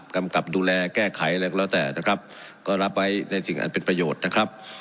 กำกับดูแลแก้ไขอะไรก็แล้วแต่นะครับก็รับไว้ในสิ่งอันเป็นประโยชน์นะครับ